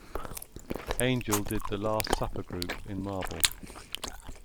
Angel did the Last Supper group in marble.